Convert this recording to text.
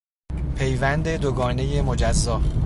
پیوند دو گانهی مجزا